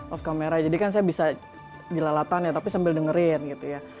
off camera jadi kan saya bisa dilalatannya tapi sambil dengerin gitu ya